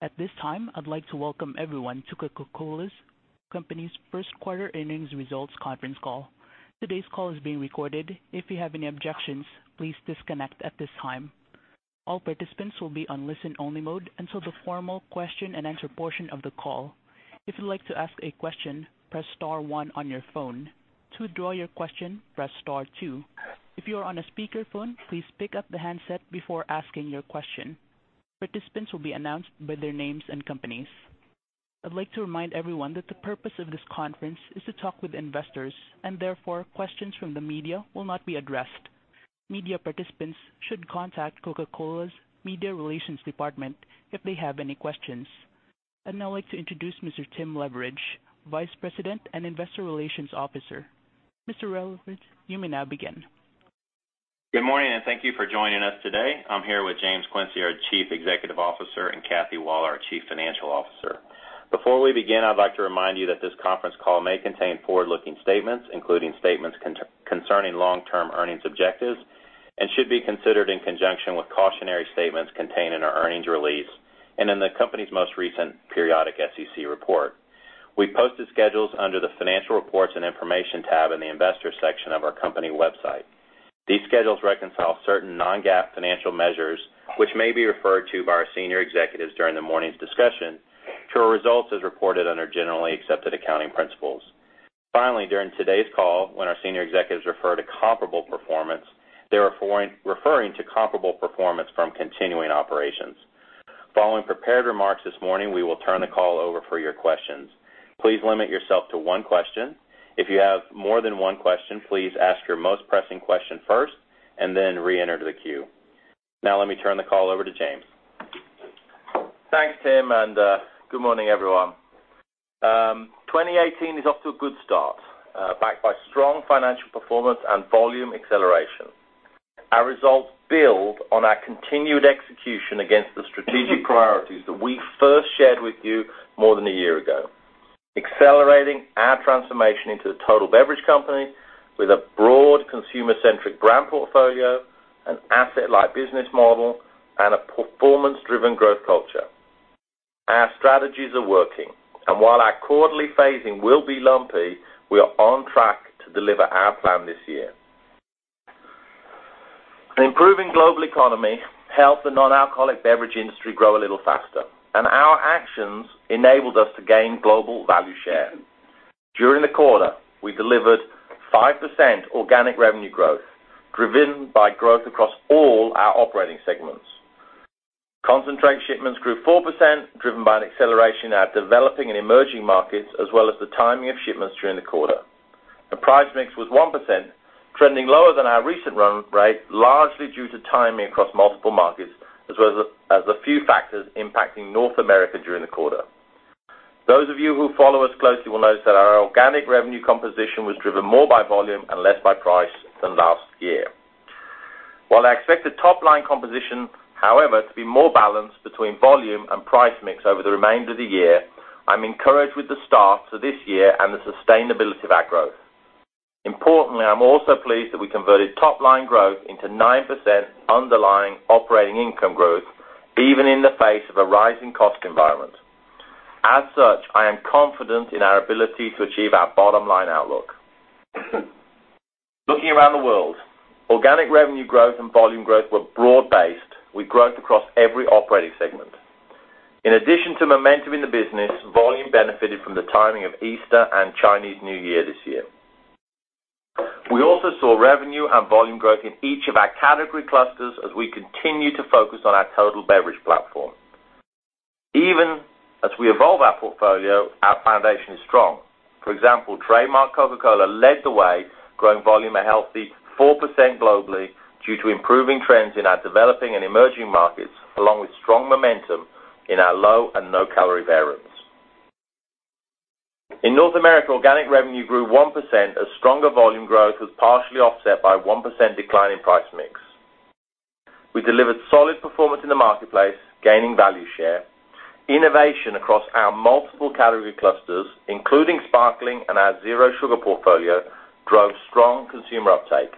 At this time, I'd like to welcome everyone to The Coca-Cola Company's First Quarter Earnings Results Conference Call. Today's call is being recorded. If you have any objections, please disconnect at this time. All participants will be on listen-only mode until the formal question-and-answer portion of the call. If you'd like to ask a question, press star one on your phone. To withdraw your question, press star two. If you are on a speakerphone, please pick up the handset before asking your question. Participants will be announced by their names and companies. I'd like to remind everyone that the purpose of this conference is to talk with investors. Therefore, questions from the media will not be addressed. Media participants should contact Coca-Cola's media relations department if they have any questions. I'd now like to introduce Mr. Tim Leveridge, Vice President and Investor Relations Officer. Mr. Leveridge, you may now begin. Good morning. Thank you for joining us today. I'm here with James Quincey, our Chief Executive Officer, and Kathy Waller, our Chief Financial Officer. Before we begin, I'd like to remind you that this conference call may contain forward-looking statements, including statements concerning long-term earnings objectives, and should be considered in conjunction with cautionary statements contained in our earnings release and in the company's most recent periodic SEC report. We've posted schedules under the Financial Reports and Information tab in the Investors section of our company website. These schedules reconcile certain non-GAAP financial measures, which may be referred to by our senior executives during the morning's discussion to our results as reported under Generally Accepted Accounting Principles. During today's call, when our senior executives refer to comparable performance, they're referring to comparable performance from continuing operations. Following prepared remarks this morning, we will turn the call over for your questions. Please limit yourself to one question. If you have more than one question, please ask your most pressing question first. Then reenter the queue. Let me turn the call over to James. Thanks, Tim, and good morning, everyone. 2018 is off to a good start, backed by strong financial performance and volume acceleration. Our results build on our continued execution against the strategic priorities that we first shared with you more than a year ago. Accelerating our transformation into the total beverage company with a broad consumer-centric brand portfolio, an asset-light business model, and a performance-driven growth culture. Our strategies are working, and while our quarterly phasing will be lumpy, we are on track to deliver our plan this year. An improving global economy helped the non-alcoholic beverage industry grow a little faster, and our actions enabled us to gain global value share. During the quarter, we delivered 5% organic revenue growth, driven by growth across all our operating segments. Concentrate shipments grew 4%, driven by an acceleration at developing and emerging markets, as well as the timing of shipments during the quarter. The price mix was 1%, trending lower than our recent run rate, largely due to timing across multiple markets, as well as a few factors impacting North America during the quarter. Those of you who follow us closely will notice that our organic revenue composition was driven more by volume and less by price than last year. While I expect the top-line composition, however, to be more balanced between volume and price mix over the remainder of the year, I'm encouraged with the start to this year and the sustainability of our growth. Importantly, I'm also pleased that I converted top-line growth into 9% underlying operating income growth, even in the face of a rising cost environment. As such, I am confident in our ability to achieve our bottom-line outlook. Looking around the world, organic revenue growth and volume growth were broad-based, with growth across every operating segment. In addition to momentum in the business, volume benefited from the timing of Easter and Chinese New Year this year. We also saw revenue and volume growth in each of our category clusters as we continue to focus on our total beverage platform. Even as we evolve our portfolio, our foundation is strong. For example, trademark Coca-Cola led the way, growing volume a healthy 4% globally due to improving trends in our developing and emerging markets, along with strong momentum in our low and no-calorie variants. In North America, organic revenue grew 1% as stronger volume growth was partially offset by 1% decline in price mix. We delivered solid performance in the marketplace, gaining value share. Innovation across our multiple category clusters, including sparkling and our zero sugar portfolio, drove strong consumer uptake.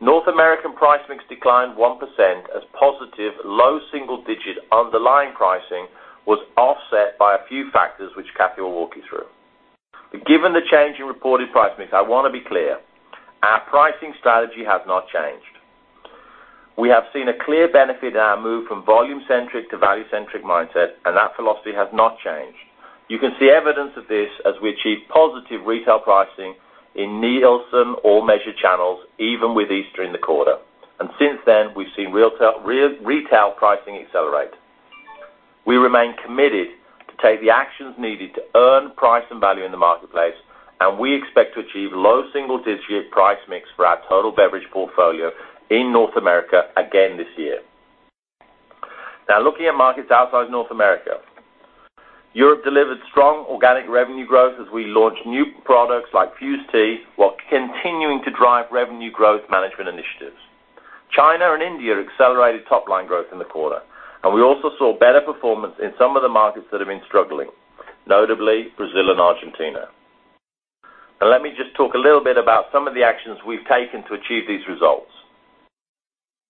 North American price mix declined 1% as positive low single-digit underlying pricing was offset by a few factors which Kathy will walk you through. Given the change in reported price mix, I want to be clear, our pricing strategy has not changed. We have seen a clear benefit in our move from volume-centric to value-centric mindset, and that philosophy has not changed. You can see evidence of this as we achieve positive retail pricing in Nielsen all measured channels, even with Easter in the quarter. Since then, we've seen retail pricing accelerate. We remain committed to take the actions needed to earn price and value in the marketplace, and we expect to achieve low single-digit price mix for our total beverage portfolio in North America again this year. Now looking at markets outside North America. Europe delivered strong organic revenue growth as we launched new products like Fuze Tea while continuing to drive revenue growth management initiatives. China and India accelerated top-line growth in the quarter, and we also saw better performance in some of the markets that have been struggling, notably Brazil and Argentina. Let me just talk a little bit about some of the actions we've taken to achieve these results.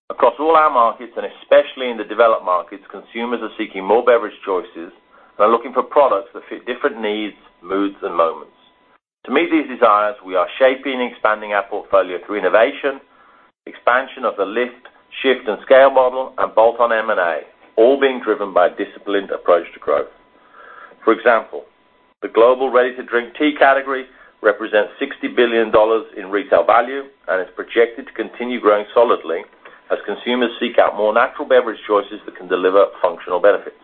Across all our markets, and especially in the developed markets, consumers are seeking more beverage choices. They're looking for products that fit different needs, moods, and moments. To meet these desires, we are shaping and expanding our portfolio through innovation, expansion of the lift, shift, and scale model, and bolt-on M&A, all being driven by a disciplined approach to growth. For example, the global ready-to-drink tea category represents $60 billion in retail value and is projected to continue growing solidly as consumers seek out more natural beverage choices that can deliver functional benefits.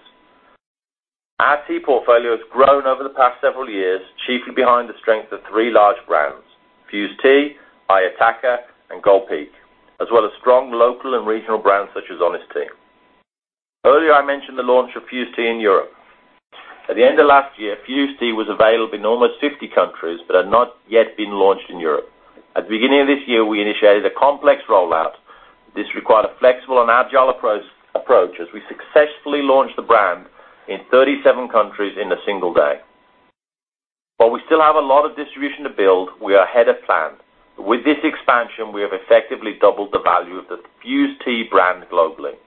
Our tea portfolio has grown over the past several years, chiefly behind the strength of three large brands, Fuze Tea, Ayataka, and Gold Peak, as well as strong local and regional brands such as Honest Tea. Earlier, I mentioned the launch of Fuze Tea in Europe. At the end of last year, Fuze Tea was available in almost 50 countries, but had not yet been launched in Europe. At the beginning of this year, we initiated a complex rollout. This required a flexible and agile approach, as we successfully launched the brand in 37 countries in a single day. While we still have a lot of distribution to build, we are ahead of plan. With this expansion, we have effectively doubled the value of the Fuze Tea brand globally.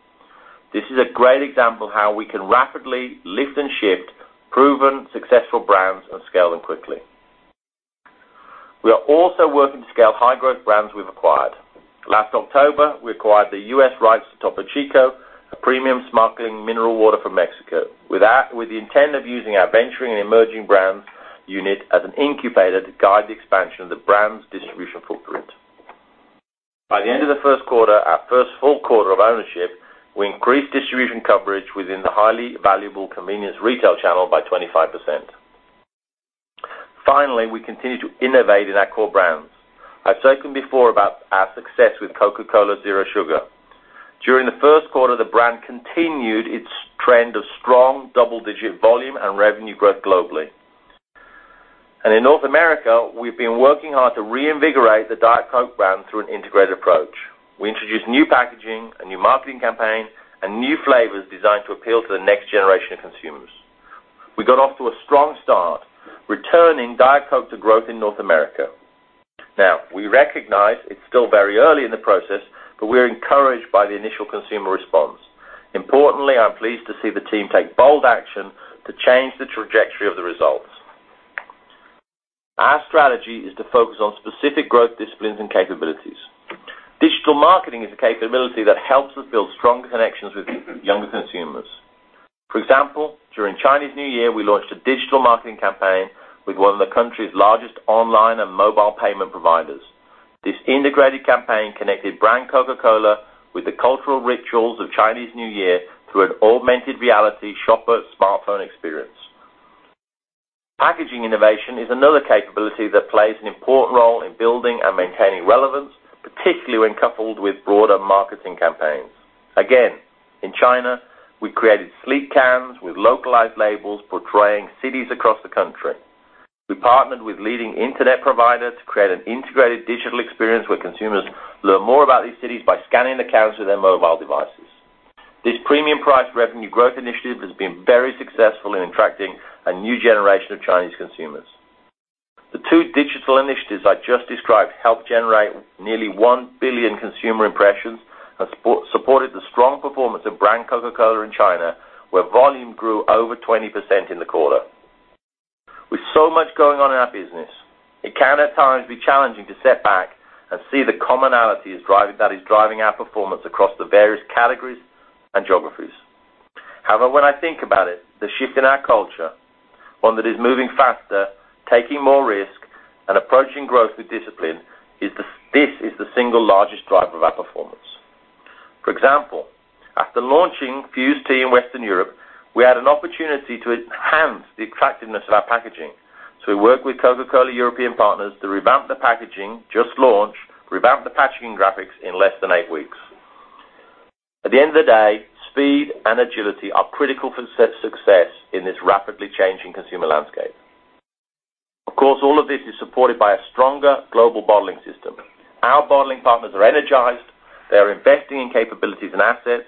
This is a great example of how we can rapidly lift and shift proven, successful brands and scale them quickly. We are also working to scale high-growth brands we've acquired. Last October, we acquired the U.S. rights to Topo Chico, a premium sparkling mineral water from Mexico, with the intent of using our venturing and emerging brands unit as an incubator to guide the expansion of the brand's distribution footprint. By the end of the first quarter, our first full quarter of ownership, we increased distribution coverage within the highly valuable convenience retail channel by 25%. Finally, we continue to innovate in our core brands. I've spoken before about our success with Coca-Cola Zero Sugar. During the first quarter, the brand continued its trend of strong double-digit volume and revenue growth globally. In North America, we've been working hard to reinvigorate the Diet Coke brand through an integrated approach. We introduced new packaging, a new marketing campaign, and new flavors designed to appeal to the next generation of consumers. We got off to a strong start, returning Diet Coke to growth in North America. Now, we recognize it's still very early in the process, but we're encouraged by the initial consumer response. Importantly, I'm pleased to see the team take bold action to change the trajectory of the results. Our strategy is to focus on specific growth disciplines and capabilities. Digital marketing is a capability that helps us build strong connections with younger consumers. For example, during Chinese New Year, we launched a digital marketing campaign with one of the country's largest online and mobile payment providers. This integrated campaign connected Brand Coca-Cola with the cultural rituals of Chinese New Year through an augmented reality shopper smartphone experience. Packaging innovation is another capability that plays an important role in building and maintaining relevance, particularly when coupled with broader marketing campaigns. Again, in China, we created sleek cans with localized labels portraying cities across the country. We partnered with leading internet providers to create an integrated digital experience where consumers learn more about these cities by scanning the cans with their mobile devices. This premium price revenue growth initiative has been very successful in attracting a new generation of Chinese consumers. The two digital initiatives I just described helped generate nearly 1 billion consumer impressions and supported the strong performance of Brand Coca-Cola in China, where volume grew over 20% in the quarter. With so much going on in our business, it can at times be challenging to step back and see the commonality that is driving our performance across the various categories and geographies. However, when I think about it, the shift in our culture, one that is moving faster, taking more risk, and approaching growth with discipline, this is the single largest driver of our performance. For example, after launching Fuze Tea in Western Europe, we had an opportunity to enhance the attractiveness of our packaging. We worked with Coca-Cola European Partners to revamp the packaging graphics in less than eight weeks. At the end of the day, speed and agility are critical for success in this rapidly changing consumer landscape. All of this is supported by a stronger global bottling system. Our bottling partners are energized. They are investing in capabilities and assets,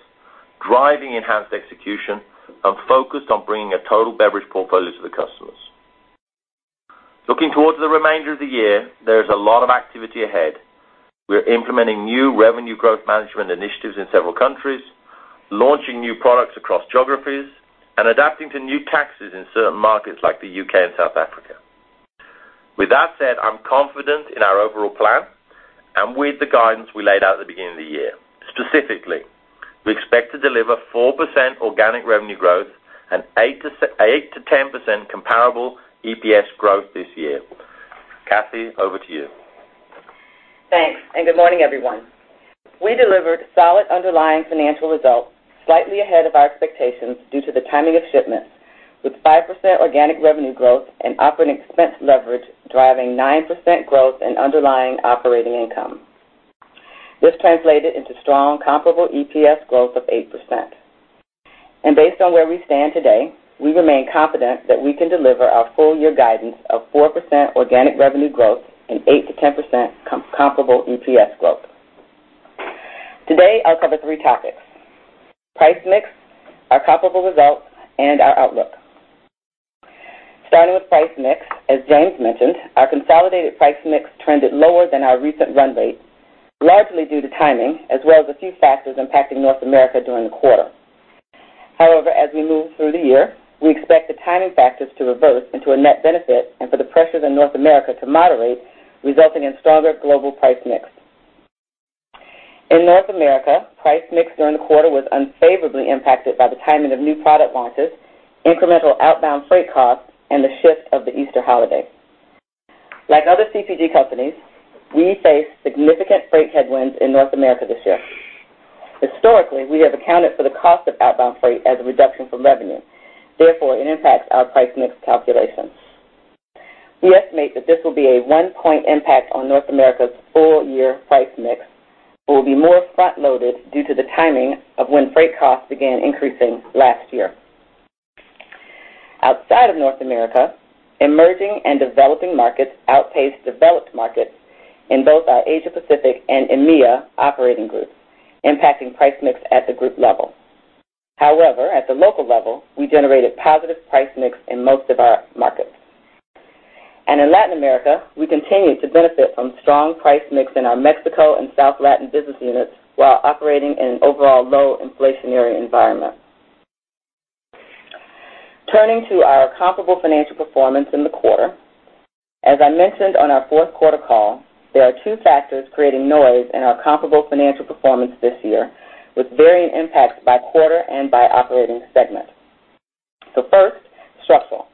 driving enhanced execution, and focused on bringing a total beverage portfolio to the customers. Looking towards the remainder of the year, there is a lot of activity ahead. We're implementing new revenue growth management initiatives in several countries, launching new products across geographies, and adapting to new taxes in certain markets like the U.K. and South Africa. With that said, I'm confident in our overall plan and with the guidance we laid out at the beginning of the year. Specifically, we expect to deliver 4% organic revenue growth and 8%-10% comparable EPS growth this year. Kathy, over to you. Thanks. Good morning, everyone. We delivered solid underlying financial results, slightly ahead of our expectations due to the timing of shipments, with 5% organic revenue growth and operating expense leverage driving 9% growth in underlying operating income. This translated into strong comparable EPS growth of 8%. Based on where we stand today, we remain confident that we can deliver our full year guidance of 4% organic revenue growth and 8%-10% comparable EPS growth. Today, I'll cover three topics: price mix, our comparable results, and our outlook. Starting with price mix, as James mentioned, our consolidated price mix trended lower than our recent run rate, largely due to timing, as well as a few factors impacting North America during the quarter. As we move through the year, we expect the timing factors to reverse into a net benefit and for the pressures in North America to moderate, resulting in stronger global price mix. In North America, price mix during the quarter was unfavorably impacted by the timing of new product launches, incremental outbound freight costs, and the shift of the Easter holiday. Like other CPG companies, we face significant freight headwinds in North America this year. Historically, we have accounted for the cost of outbound freight as a reduction from revenue. It impacts our price mix calculations. We estimate that this will be a one-point impact on North America's full-year price mix but will be more front-loaded due to the timing of when freight costs began increasing last year. Outside of North America, emerging and developing markets outpaced developed markets in both our Asia Pacific and EMEA operating groups, impacting price mix at the group level. At the local level, we generated positive price mix in most of our markets. In Latin America, we continue to benefit from strong price mix in our Mexico and South Latin business units while operating in an overall low inflationary environment. Turning to our comparable financial performance in the quarter, as I mentioned on our fourth quarter call, there are two factors creating noise in our comparable financial performance this year, with varying impacts by quarter and by operating segment. First, structural.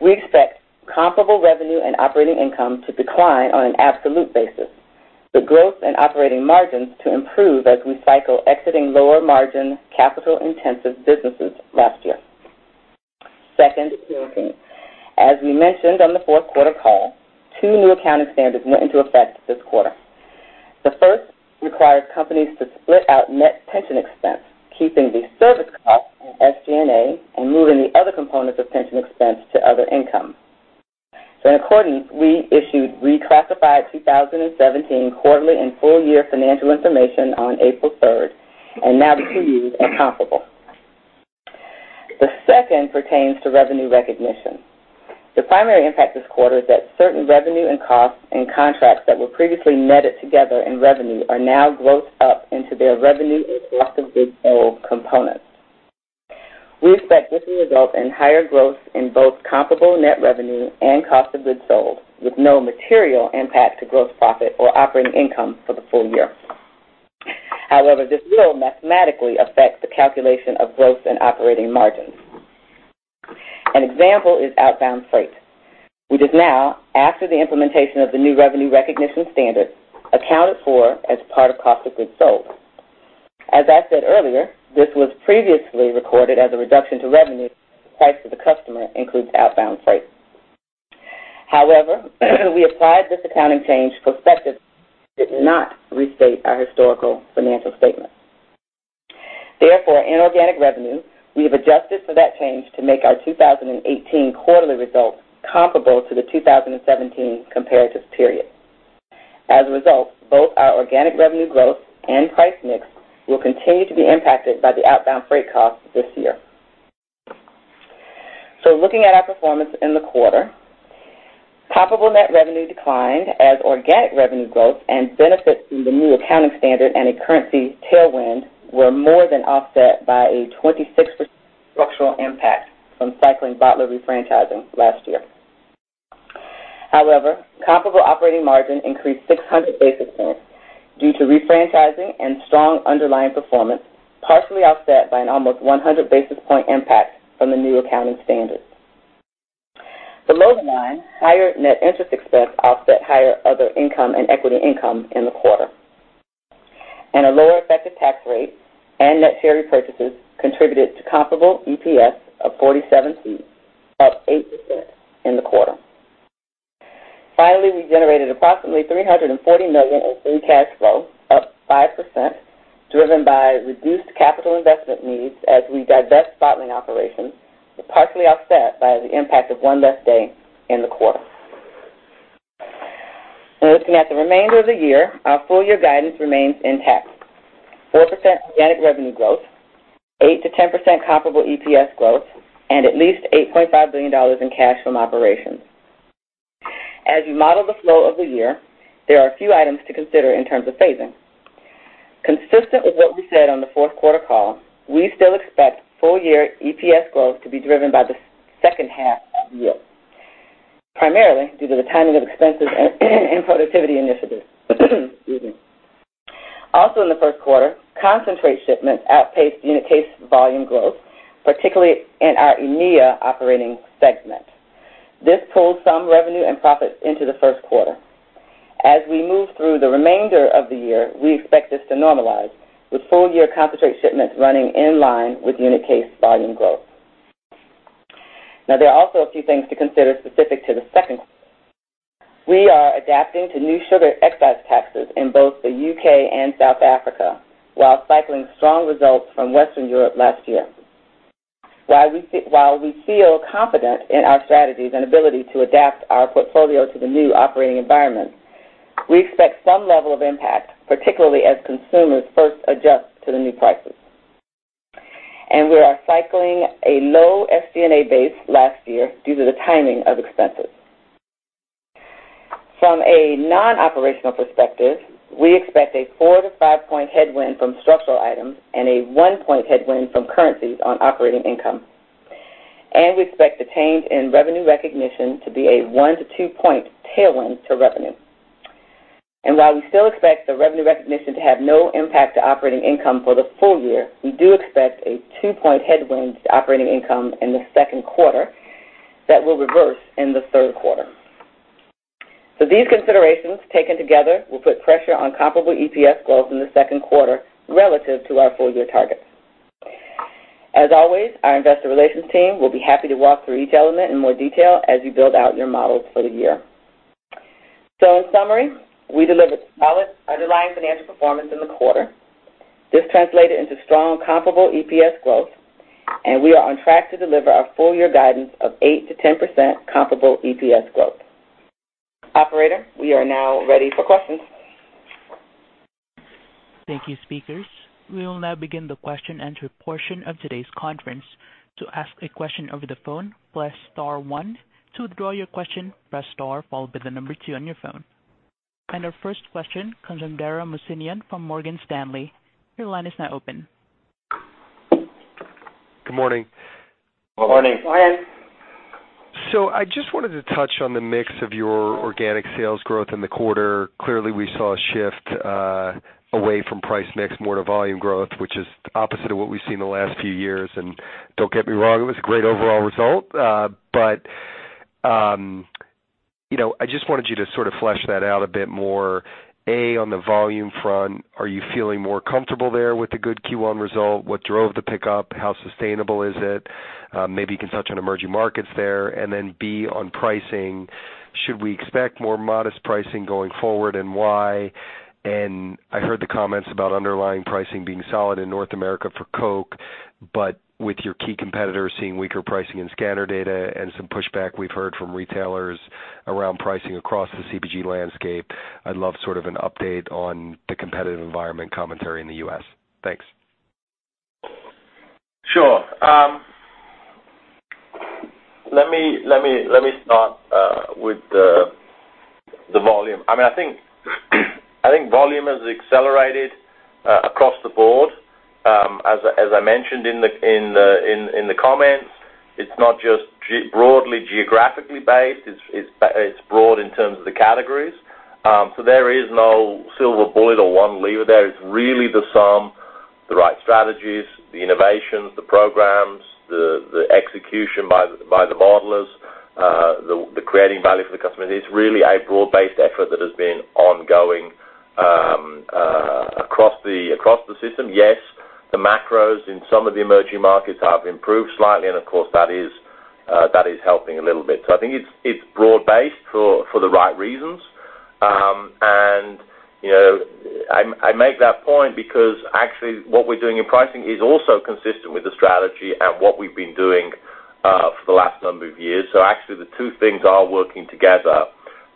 We expect comparable revenue and operating income to decline on an absolute basis, but growth and operating margins to improve as we cycle exiting lower-margin, capital-intensive businesses last year. Second, accounting. As we mentioned on the fourth quarter call, two new accounting standards went into effect this quarter. The first requires companies to split out net pension expense, keeping the service cost in SG&A and moving the other components of pension expense to other income. In accordance, we issued reclassified 2017 quarterly and full-year financial information on April 3rd, and now the two years are comparable. The second pertains to revenue recognition. The primary impact this quarter is that certain revenue and costs and contracts that were previously netted together in revenue are now grossed up into their revenue and cost of goods sold components. We expect this will result in higher growth in both comparable net revenue and cost of goods sold, with no material impact to gross profit or operating income for the full year. This will mathematically affect the calculation of growth and operating margins. An example is outbound freight, which is now, after the implementation of the new revenue recognition standard, accounted for as part of cost of goods sold. As I said earlier, this was previously recorded as a reduction to revenue since the price to the customer includes outbound freight. We applied this accounting change prospectively and did not restate our historical financial statements. In organic revenue, we have adjusted for that change to make our 2018 quarterly results comparable to the 2017 comparative period. Both our organic revenue growth and price mix will continue to be impacted by the outbound freight costs this year. Looking at our performance in the quarter, comparable net revenue declined as organic revenue growth and benefits from the new accounting standard and a currency tailwind were more than offset by a 26% structural impact from cycling bottler refranchising last year. However, comparable operating margin increased 600 basis points due to refranchising and strong underlying performance, partially offset by an almost 100-basis-point impact from the new accounting standard. Below the line, higher net interest expense offset higher other income and equity income in the quarter. A lower effective tax rate and net share repurchases contributed to comparable EPS of $0.47, up 8% in the quarter. Finally, we generated approximately $340 million in free cash flow, up 5%, driven by reduced capital investment needs as we divest bottling operations, but partially offset by the impact of one less day in the quarter. Looking at the remainder of the year, our full-year guidance remains intact. 4% organic revenue growth, 8%-10% comparable EPS growth, and at least $8.5 billion in cash from operations. As we model the flow of the year, there are a few items to consider in terms of phasing. Consistent with what we said on the fourth quarter call, we still expect full-year EPS growth to be driven by the second half of the year, primarily due to the timing of expenses and productivity initiatives. Excuse me. Also in the first quarter, concentrate shipments outpaced unit case volume growth, particularly in our EMEA operating segment. This pulled some revenue and profit into the first quarter. As we move through the remainder of the year, we expect this to normalize, with full-year concentrate shipments running in line with unit case volume growth. There are also a few things to consider specific to the second quarter. We are adapting to new sugar excise taxes in both the U.K. and South Africa while cycling strong results from Western Europe last year. While we feel confident in our strategies and ability to adapt our portfolio to the new operating environment, we expect some level of impact, particularly as consumers first adjust to the new prices. We are cycling a low SG&A base last year due to the timing of expenses. From a non-operational perspective, we expect a four- to five-point headwind from structural items and a one-point headwind from currencies on operating income. We expect the change in revenue recognition to be a one- to two-point tailwind to revenue. While we still expect the revenue recognition to have no impact to operating income for the full-year, we do expect a two-point headwind to operating income in the second quarter that will reverse in the third quarter. These considerations, taken together, will put pressure on comparable EPS growth in the second quarter relative to our full-year targets. As always, our investor relations team will be happy to walk through each element in more detail as you build out your models for the year. In summary, we delivered solid underlying financial performance in the quarter. This translated into strong comparable EPS growth, and we are on track to deliver our full-year guidance of 8%-10% comparable EPS growth. Operator, we are now ready for questions. Thank you, speakers. We will now begin the question and answer portion of today's conference. To ask a question over the phone, press star one. To withdraw your question, press star followed by the number 2 on your phone. Our first question comes from Dara Mohsenian from Morgan Stanley. Your line is now open. Good morning. Good morning. Go ahead. I just wanted to touch on the mix of your organic sales growth in the quarter. Clearly, we saw a shift away from price mix more to volume growth, which is the opposite of what we've seen the last few years. Don't get me wrong, it was a great overall result. I just wanted you to sort of flesh that out a bit more. A, on the volume front, are you feeling more comfortable there with the good Q1 result? What drove the pickup? How sustainable is it? Maybe you can touch on emerging markets there. B, on pricing, should we expect more modest pricing going forward and why? I heard the comments about underlying pricing being solid in North America for Coke, but with your key competitors seeing weaker pricing in scanner data and some pushback we've heard from retailers around pricing across the CPG landscape, I'd love sort of an update on the competitive environment commentary in the U.S. Thanks. Sure. Let me start with the volume. I think volume has accelerated across the board. As I mentioned in the comments, it's not just broadly geographically based. It's broad in terms of the categories. There is no silver bullet or one lever there. It's really the sum, the right strategies, the innovations, the programs, the execution by the bottlers, the creating value for the customer. It's really a broad-based effort that has been ongoing across the system. Yes, the macros in some of the emerging markets have improved slightly, of course that is helping a little bit. I think it's broad-based for the right reasons. I make that point because actually what we're doing in pricing is also consistent with the strategy and what we've been doing for the last number of years. Actually the two things are working together.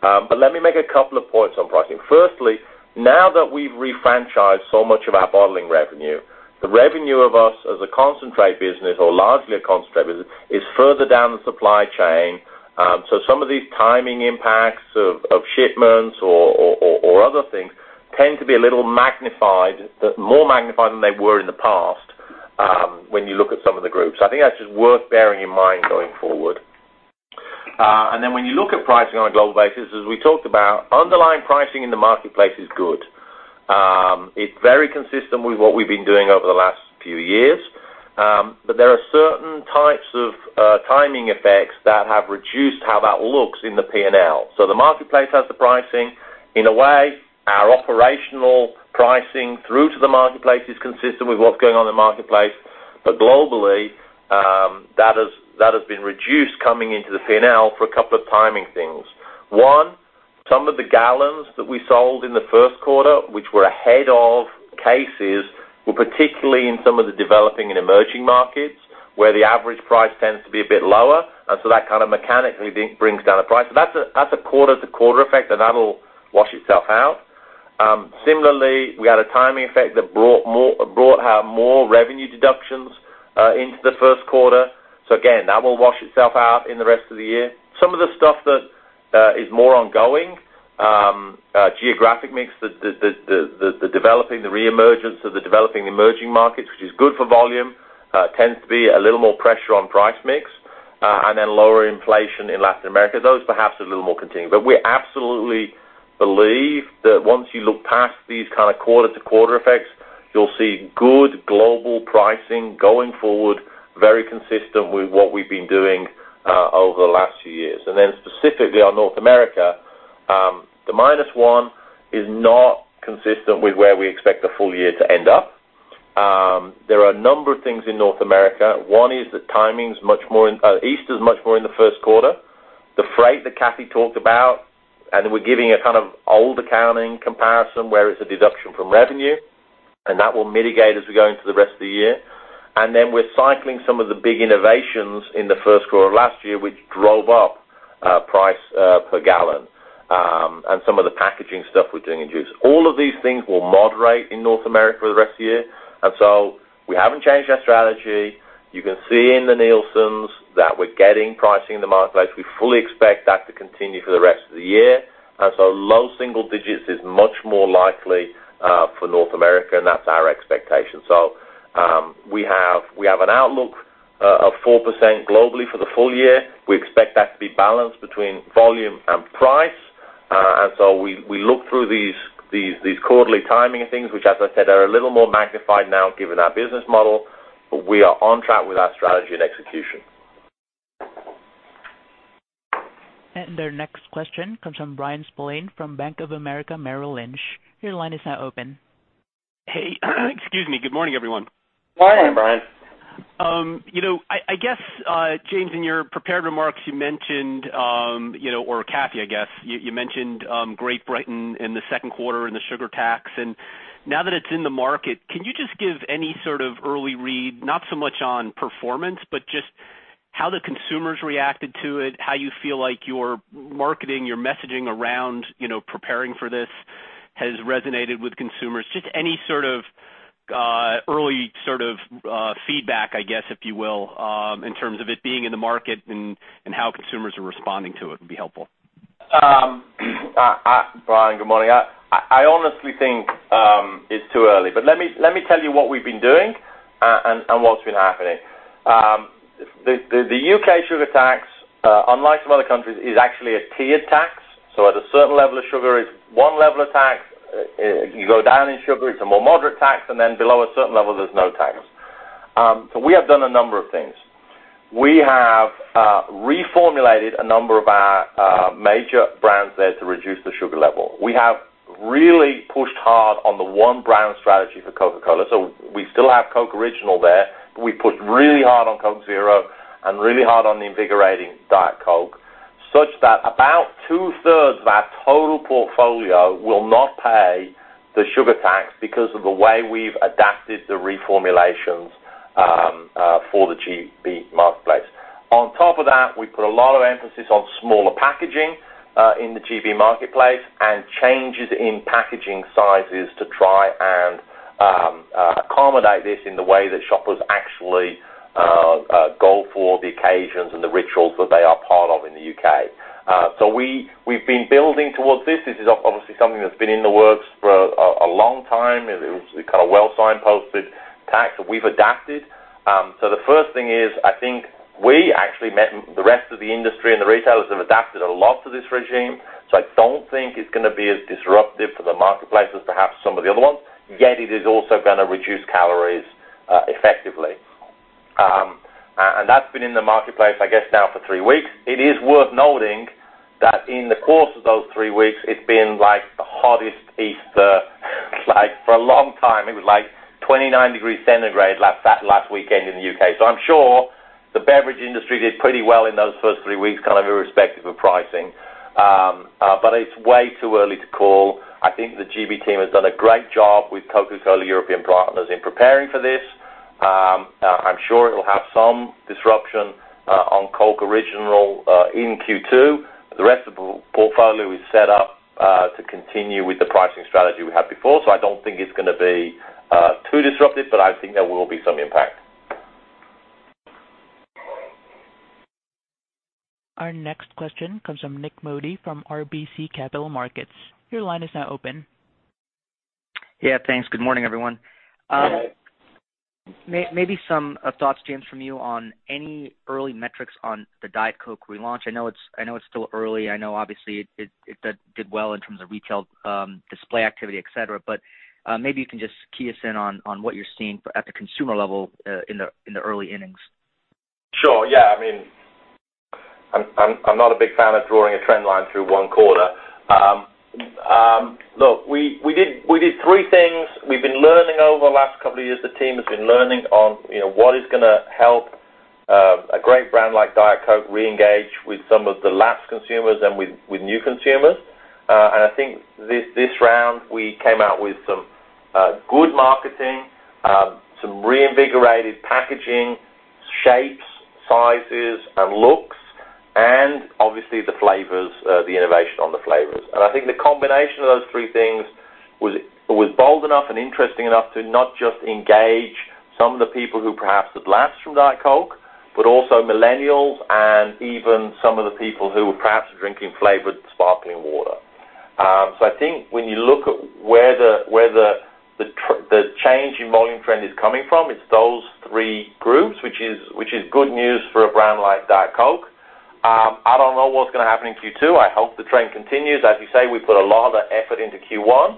Let me make a couple of points on pricing. Firstly, now that we've refranchised so much of our bottling revenue, the revenue of us as a concentrate business, or largely a concentrate business, is further down the supply chain. Some of these timing impacts of shipments or other things tend to be a little more magnified than they were in the past when you look at some of the groups. I think that's just worth bearing in mind going forward. When you look at pricing on a global basis, as we talked about, underlying pricing in the marketplace is good. It's very consistent with what we've been doing over the last few years. There are certain types of timing effects that have reduced how that looks in the P&L. The marketplace has the pricing. In a way, our operational pricing through to the marketplace is consistent with what's going on in the marketplace. Globally, that has been reduced coming into the P&L for a couple of timing things. One, some of the gallons that we sold in the first quarter, which were ahead of cases, were particularly in some of the developing and emerging markets, where the average price tends to be a bit lower. That kind of mechanically brings down the price. That's a quarter-to-quarter effect, and that'll wash itself out. Similarly, we had a timing effect that brought more revenue deductions into the first quarter. Again, that will wash itself out in the rest of the year. Some of the stuff that is more ongoing, geographic mix, the reemergence of the developing emerging markets, which is good for volume, tends to be a little more pressure on price mix, lower inflation in Latin America. Those perhaps are a little more continued. We absolutely believe that once you look past these kind of quarter-to-quarter effects, you'll see good global pricing going forward, very consistent with what we've been doing over the last few years. Specifically on North America, the minus one is not consistent with where we expect the full year to end up. There are a number of things in North America. One is that East is much more in the first quarter. The freight that Kathy talked about, we're giving a kind of old accounting comparison where it's a deduction from revenue, that will mitigate as we go into the rest of the year. We're cycling some of the big innovations in the first quarter of last year, which drove up price per gallon. Some of the packaging stuff we're doing in juice. All of these things will moderate in North America for the rest of the year. We haven't changed our strategy. You can see in the Nielsens that we're getting pricing in the marketplace. We fully expect that to continue for the rest of the year. Low single digits is much more likely, for North America, and that's our expectation. We have an outlook of 4% globally for the full year. We expect that to be balanced between volume and price. We look through these quarterly timing things, which, as I said, are a little more magnified now given our business model, we are on track with our strategy and execution. Our next question comes from Bryan Spillane from Bank of America Merrill Lynch. Your line is now open. Hey. Excuse me. Good morning, everyone. Morning, Bryan. I guess, James, in your prepared remarks, you mentioned, or Kathy, I guess, you mentioned Great Britain in the second quarter and the sugar tax, and now that it's in the market, can you just give any sort of early read, not so much on performance, but just how the consumers reacted to it, how you feel like your marketing, your messaging around preparing for this has resonated with consumers? Just any sort of early feedback, I guess, if you will, in terms of it being in the market and how consumers are responding to it would be helpful. Bryan, good morning. I honestly think it's too early. Let me tell you what we've been doing, and what's been happening. The U.K. sugar tax, unlike some other countries, is actually a tiered tax. At a certain level of sugar, it's one level of tax. You go down in sugar, it's a more moderate tax. Below a certain level, there's no tax. We have done a number of things. We have reformulated a number of our major brands there to reduce the sugar level. We have really pushed hard on the one-brand strategy for Coca-Cola. We still have Coke Original there, but we pushed really hard on Coke Zero and really hard on the invigorating Diet Coke, such that about two-thirds of our total portfolio will not pay the sugar tax because of the way we've adapted the reformulations for the GB marketplace. On top of that, we put a lot of emphasis on smaller packaging, in the GB marketplace and changes in packaging sizes to try and accommodate this in the way that shoppers actually go for the occasions and the rituals that they are part of in the U.K. We've been building towards this. This is obviously something that's been in the works for a long time. It was a kind of well signposted tax that we've adapted. The first thing is, I think we actually met the rest of the industry, and the retailers have adapted a lot to this regime. I don't think it's going to be as disruptive for the marketplace as perhaps some of the other ones. Yet it is also going to reduce calories effectively. That's been in the marketplace, I guess, now for three weeks. It is worth noting that in the course of those three weeks, it's been the hottest Easter for a long time. It was 29 degrees Celsius last weekend in the U.K. I'm sure the beverage industry did pretty well in those first three weeks, kind of irrespective of pricing. It's way too early to call. I think the GB team has done a great job with Coca-Cola European Partners in preparing for this. I'm sure it will have some disruption on Coke Original in Q2. The rest of the portfolio is set up to continue with the pricing strategy we had before. I don't think it's going to be too disruptive, but I think there will be some impact. Our next question comes from Nik Modi from RBC Capital Markets. Your line is now open. Yeah, thanks. Good morning, everyone. Good morning. Maybe some thoughts, James, from you on any early metrics on the Diet Coke relaunch. I know it's still early. I know obviously it did well in terms of retail display activity, et cetera. Maybe you can just key us in on what you're seeing at the consumer level in the early innings. Sure. Yeah. I'm not a big fan of drawing a trend line through one quarter. Look, we did three things. We've been learning over the last couple of years. The team has been learning on what is going to help a great brand like Diet Coke reengage with some of the lapsed consumers and with new consumers. I think this round, we came out with some good marketing, some reinvigorated packaging, shapes, sizes, and looks, and obviously the flavors, the innovation on the flavors. I think the combination of those three things was bold enough and interesting enough to not just engage some of the people who perhaps had lapsed from Diet Coke, but also millennials and even some of the people who were perhaps drinking flavored sparkling water. I think when you look at where the change in volume trend is coming from, it's those three groups, which is good news for a brand like Diet Coke. I don't know what's going to happen in Q2. I hope the trend continues. As you say, we put a lot of effort into Q1.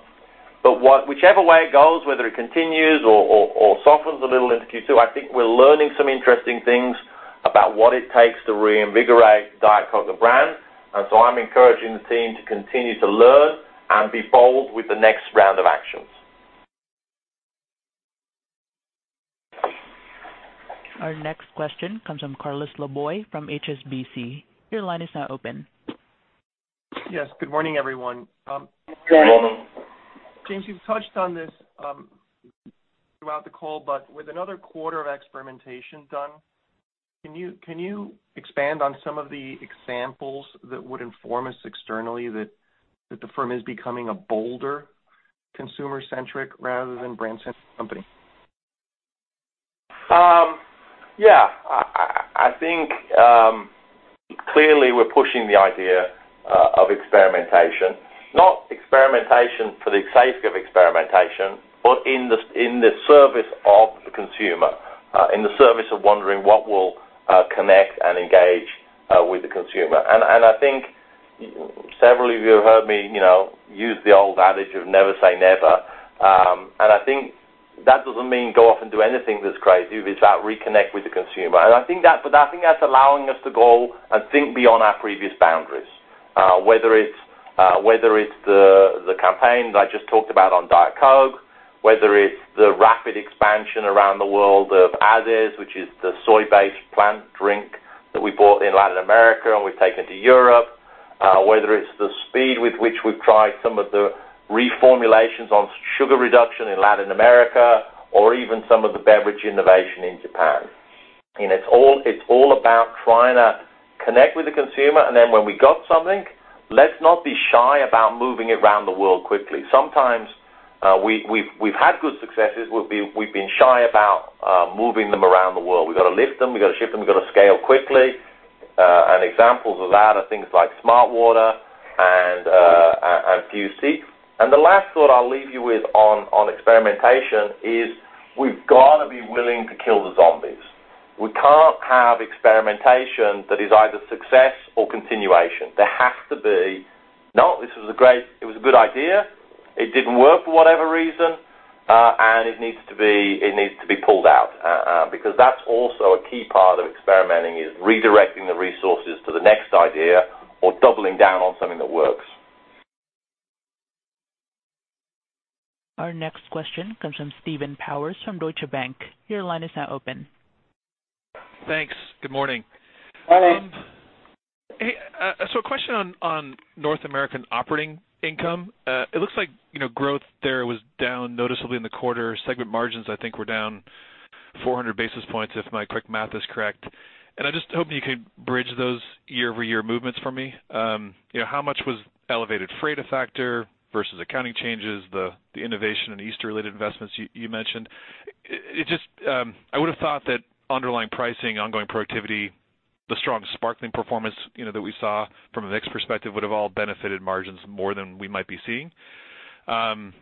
Whichever way it goes, whether it continues or softens a little into Q2, I think we're learning some interesting things about what it takes to reinvigorate Diet Coke the brand. I'm encouraging the team to continue to learn and be bold with the next round of actions. Our next question comes from Carlos Laboy from HSBC. Your line is now open. Yes. Good morning, everyone. Good morning. James, you've touched on this throughout the call, but with another quarter of experimentation done, can you expand on some of the examples that would inform us externally that the firm is becoming a bolder consumer-centric rather than brand-centric company? Yeah. I think, clearly, we're pushing the idea of experimentation. Not experimentation for the sake of experimentation, but in the service of the consumer, in the service of wondering what will connect and engage with the consumer. I think several of you have heard me use the old adage of never say never. I think that doesn't mean go off and do anything that's crazy. It's about reconnect with the consumer. I think that's allowing us to go and think beyond our previous boundaries. Whether it's the campaign that I just talked about on Diet Coke, whether it's the rapid expansion around the world of AdeS, which is the soy-based plant drink that we bought in Latin America and we've taken to Europe. Whether it's the speed with which we've tried some of the reformulations on sugar reduction in Latin America, or even some of the beverage innovation in Japan. It's all about trying to connect with the consumer, then when we got something, let's not be shy about moving it around the world quickly. Sometimes, we've had good successes, we've been shy about moving them around the world. We've got to lift them, we've got to ship them, we've got to scale quickly. Examples of that are things like smartwater and Fuze Tea. The last thought I'll leave you with on experimentation is we've got to be willing to kill the zombies. We can't have experimentation that is either success or continuation. There has to be, "No, it was a good idea. It didn't work for whatever reason, and it needs to be pulled out." Because that's also a key part of experimenting is redirecting the resources to the next idea or doubling down on something that works. Our next question comes from Stephen Powers from Deutsche Bank. Your line is now open. Thanks. Good morning. Morning. Hey, a question on North American operating income. It looks like growth there was down noticeably in the quarter. Segment margins, I think, were down 400 basis points, if my quick math is correct. I'm just hoping you could bridge those year-over-year movements for me. How much was elevated freight a factor versus accounting changes, the innovation and Easter-related investments you mentioned? I would've thought that underlying pricing, ongoing productivity, the strong sparkling performance that we saw from a mix perspective would've all benefited margins more than we might be seeing. Maybe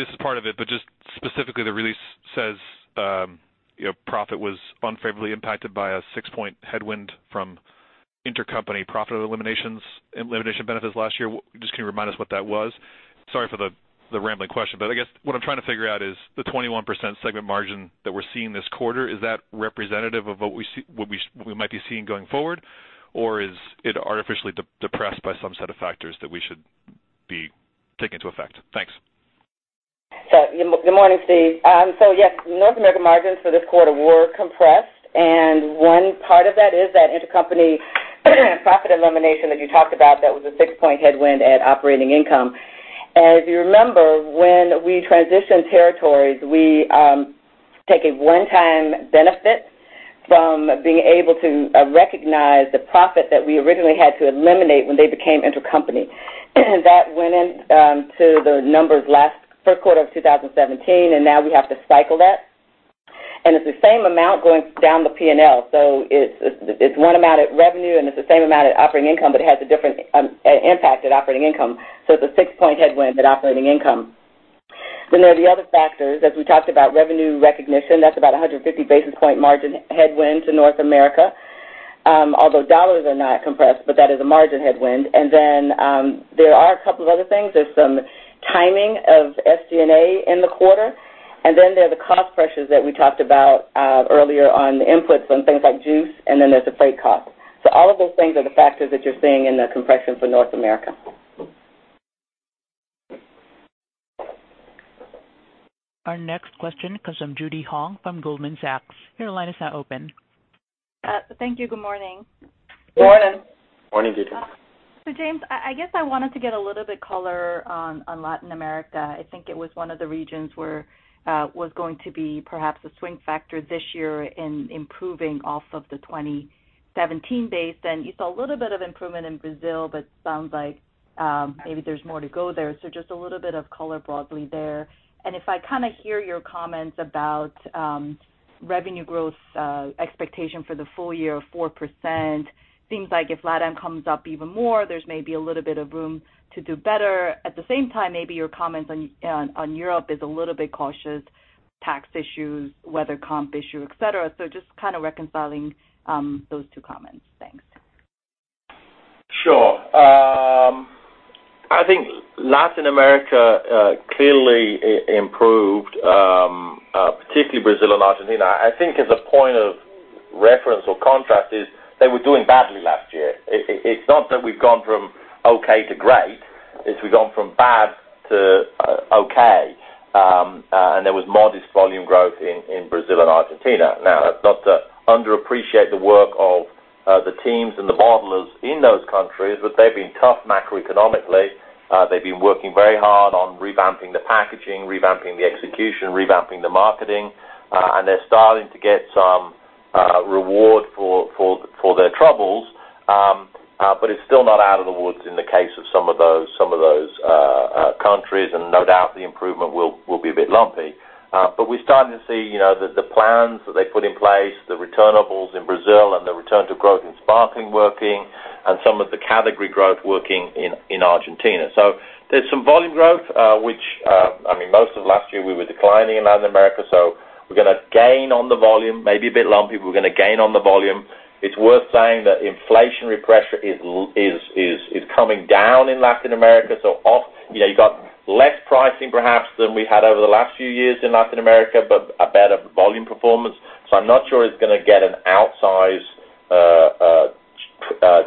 this is part of it, but just specifically, the release says profit was unfavorably impacted by a 6-point headwind from intercompany profit eliminations and elimination benefits last year. Just can you remind us what that was? Sorry for the rambling question, I guess what I'm trying to figure out is the 21% segment margin that we're seeing this quarter, is that representative of what we might be seeing going forward, or is it artificially depressed by some set of factors that we should take into effect? Thanks. Good morning, Steve. Yes, North American margins for this quarter were compressed, and one part of that is that intercompany profit elimination that you talked about, that was a six-point headwind at operating income. If you remember, when we transitioned territories, we take a one-time benefit from being able to recognize the profit that we originally had to eliminate when they became intercompany. That went into the numbers last first quarter of 2017, and now we have to cycle that. It's the same amount going down the P&L. It's one amount at revenue, and it's the same amount at operating income, but it has a different impact at operating income. It's a six-point headwind at operating income. There are the other factors, as we talked about, revenue recognition. That's about 150 basis point margin headwind to North America. Although dollars are not compressed, but that is a margin headwind. There are a couple of other things. There's some timing of SD&A in the quarter. There are the cost pressures that we talked about earlier on the inputs on things like juice, and then there's the freight cost. All of those things are the factors that you're seeing in the compression for North America. Our next question comes from Judy Hong from Goldman Sachs. Your line is now open. Thank you. Good morning. Morning. Morning, Judy. James, I guess I wanted to get a little bit color on Latin America. I think it was one of the regions where was going to be perhaps a swing factor this year in improving off of the 2017 base. You saw a little bit of improvement in Brazil, but sounds like maybe there's more to go there. Just a little bit of color broadly there. If I hear your comments about revenue growth expectation for the full year of 4%, seems like if LatAm comes up even more, there's maybe a little bit of room to do better. At the same time, maybe your comments on Europe is a little bit cautious. Tax issues, weather comp issue, et cetera. Just kind of reconciling those two comments. Thanks. Sure. I think Latin America clearly improved, particularly Brazil and Argentina. I think as a point of reference or contrast is they were doing badly last year. It's not that we've gone from okay to great. It's we've gone from bad to okay. There was modest volume growth in Brazil and Argentina. Now, not to underappreciate the work of the teams and the bottlers in those countries, but they've been tough macroeconomically. They've been working very hard on revamping the packaging, revamping the execution, revamping the marketing, and they're starting to get some reward for their troubles. It's still not out of the woods in the case of some of those countries, and no doubt, the improvement will be a bit lumpy. We're starting to see the plans that they put in place, the returnables in Brazil, and the return to growth in sparkling working, and some of the category growth working in Argentina. There's some volume growth. Most of last year, we were declining in Latin America, so we're going to gain on the volume. Maybe a bit lumpy, but we're going to gain on the volume. It's worth saying that inflationary pressure is coming down in Latin America, so off. You got less pricing perhaps than we had over the last few years in Latin America, but a better volume performance. I'm not sure it's going to get an outsized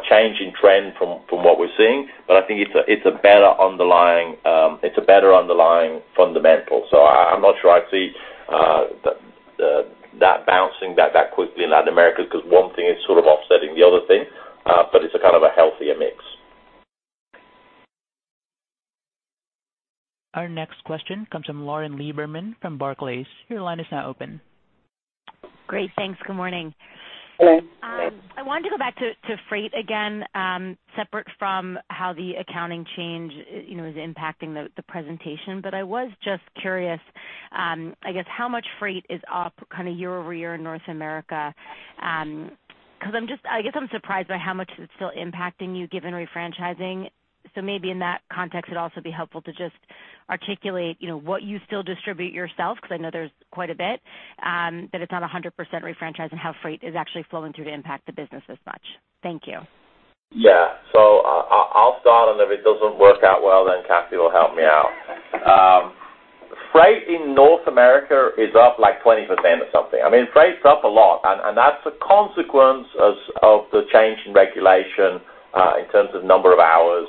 change in trend from what we're seeing. I think it's a better underlying fundamental. I'm not sure I see that bouncing back that quickly in Latin America because one thing is sort of offsetting the other thing. It's a kind of a healthier mix. Our next question comes from Lauren Lieberman from Barclays. Your line is now open. Great. Thanks. Good morning. Good morning. I wanted to go back to freight again, separate from how the accounting change is impacting the presentation. I was just curious, I guess how much freight is up kind of year-over-year in North America. I guess I'm surprised by how much it's still impacting you, given refranchising. Maybe in that context, it would also be helpful to just articulate what you still distribute yourself, because I know there's quite a bit, but it's not 100% refranchised, and how freight is actually flowing through to impact the business as much. Thank you. Yeah. I'll start, and if it doesn't work out well, then Kathy will help me out. Freight in North America is up like 20% or something. Freight is up a lot, that's a consequence of the change in regulation in terms of number of hours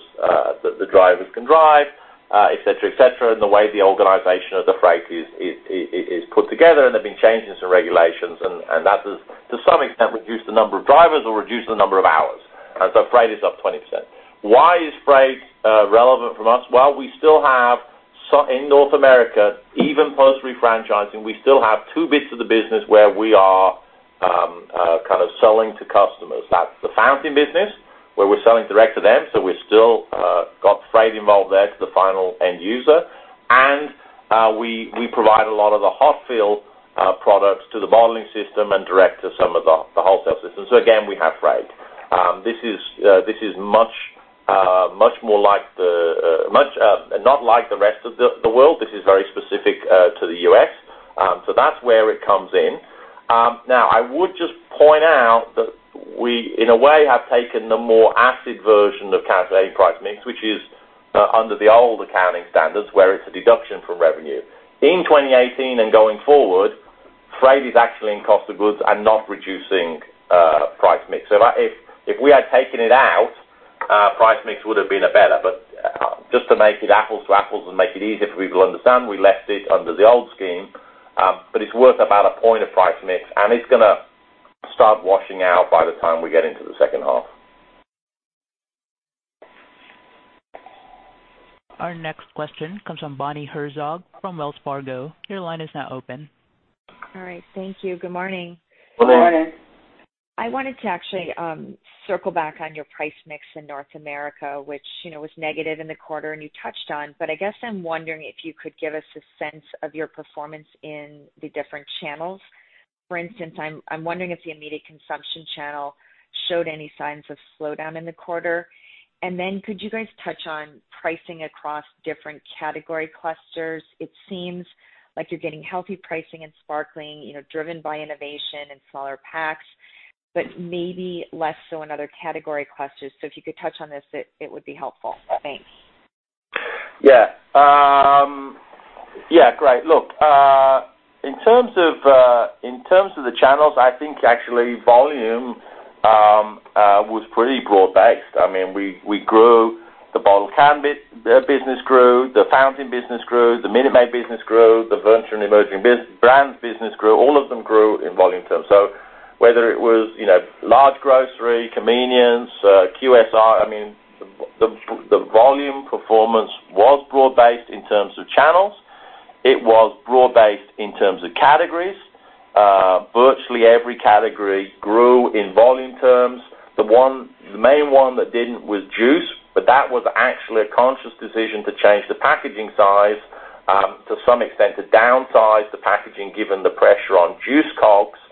that the drivers can drive, et cetera. The way the organization of the freight is put together, there's been changes to regulations, that has, to some extent, reduced the number of drivers or reduced the number of hours. Freight is up 20%. Why is freight relevant from us? Well, we still have, in North America, even post refranchising, we still have two bits of the business where we are kind of selling to customers. That's the fountain business, where we're selling direct to them. We've still got freight involved there to the final end user. We provide a lot of the hot fill products to the bottling system and direct to some of the wholesale system. Again, we have freight. This is not like the rest of the world. This is very specific to the U.S. That's where it comes in. Now, I would just point out that we, in a way, have taken the more acid version of category price mix, which is under the old accounting standards, where it's a deduction from revenue. In 2018 and going forward, freight is actually in cost of goods and not reducing price mix. If we had taken it out, price mix would have been a better, but just to make it apples to apples and make it easier for people to understand, we left it under the old scheme. It's worth about a point of price mix, and it's going to start washing out by the time we get into the second half. Our next question comes from Bonnie Herzog from Wells Fargo. Your line is now open. All right. Thank you. Good morning. Good morning. I wanted to actually circle back on your price mix in North America, which was negative in the quarter, and you touched on. I guess I'm wondering if you could give us a sense of your performance in the different channels. For instance, I'm wondering if the immediate consumption channel showed any signs of slowdown in the quarter. Could you guys touch on pricing across different category clusters? It seems like you're getting healthy pricing and sparkling, driven by innovation and smaller packs, but maybe less so in other category clusters. If you could touch on this, it would be helpful. Thanks. Yeah. Great. Look, in terms of the channels, I think actually volume was pretty broad-based. The bottle can business grew, the fountain business grew, the Minute Maid business grew, the venture and emerging brands business grew. All of them grew in volume terms. Whether it was large grocery, convenience, QSR, the volume performance was broad-based in terms of channels. It was broad-based in terms of categories. Virtually every category grew in volume terms. The main one that didn't was juice, but that was actually a conscious decision to change the packaging size to some extent, to downsize the packaging given the pressure on juice COGS.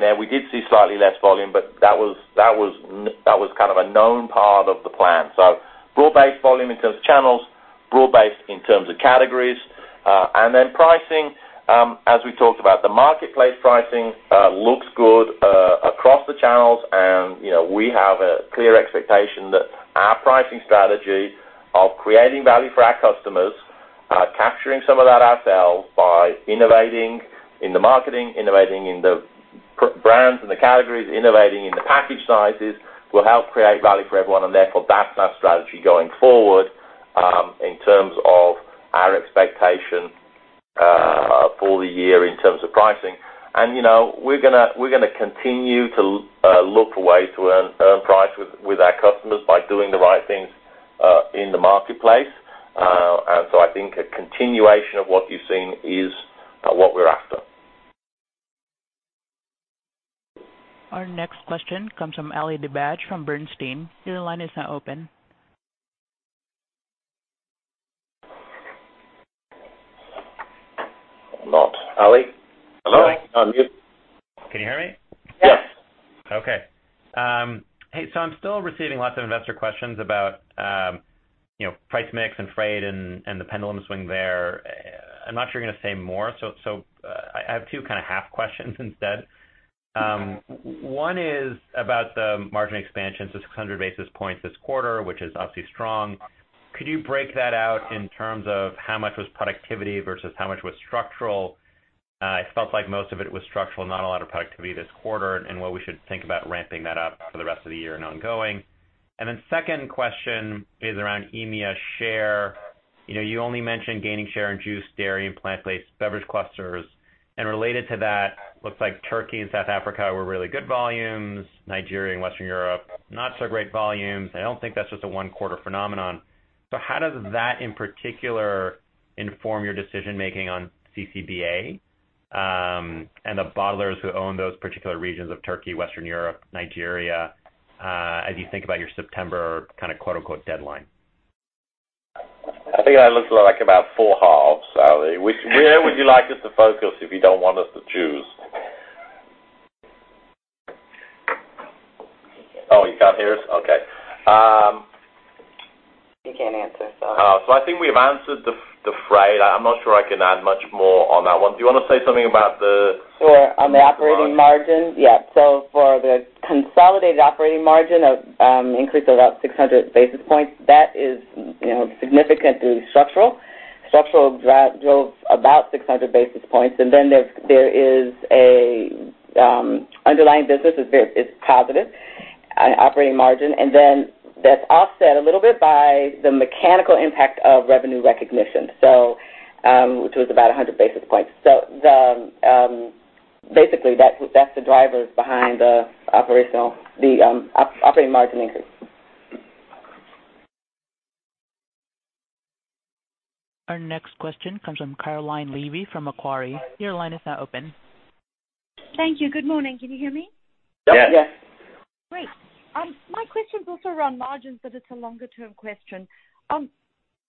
There we did see slightly less volume, but that was kind of a known part of the plan. Broad-based volume in terms of channels, broad-based in terms of categories. Then pricing, as we talked about, the marketplace pricing looks good across the channels, and we have a clear expectation that our pricing strategy of creating value for our customers. Capturing some of that ourselves by innovating in the marketing, innovating in the brands and the categories, innovating in the package sizes will help create value for everyone, and therefore that's our strategy going forward, in terms of our expectation for the year in terms of pricing. We're going to continue to look for ways to earn price with our customers by doing the right things in the marketplace. I think a continuation of what you've seen is what we're after. Our next question comes from Ali Dibadj from Bernstein. Your line is now open. Hello. Ali? Hello? Sorry. You're on mute. Can you hear me? Yes. Okay. Hey, I'm still receiving lots of investor questions about price mix and freight and the pendulum swing there. I'm not sure you're going to say more, I have two kind of half questions instead. Okay. One is about the margin expansion, 600 basis points this quarter, which is obviously strong. Could you break that out in terms of how much was productivity versus how much was structural? I felt like most of it was structural, not a lot of productivity this quarter, and what we should think about ramping that up for the rest of the year and ongoing. Second question is around EMEA share. You only mentioned gaining share in juice, dairy, and plant-based beverage clusters. Related to that, looks like Turkey and South Africa were really good volumes. Nigeria and Western Europe, not so great volumes. I don't think that's just a one-quarter phenomenon. How does that, in particular, inform your decision-making on CCBA, and the bottlers who own those particular regions of Turkey, Western Europe, Nigeria, as you think about your September kind of quote, unquote, "deadline"? I think that looks like about four halves, Ali. Where would you like us to focus if you don't want us to choose? Oh, you can't hear us? Okay. You can answer. I think we've answered the freight. I'm not sure I can add much more on that one. Do you want to say something about the- Sure. On the operating margin? Yeah. For the consolidated operating margin, an increase of about 600 basis points, that is significantly structural. Structural drove about 600 basis points. There is an underlying business, it's positive operating margin. That's offset a little bit by the mechanical impact of revenue recognition, which was about 100 basis points. That's the drivers behind the operating margin increase. Our next question comes from Caroline Levy from Macquarie. Your line is now open. Thank you. Good morning. Can you hear me? Yes. Yes. Great. My question's also around margins, but it's a longer-term question.